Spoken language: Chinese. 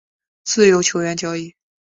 自由球员交易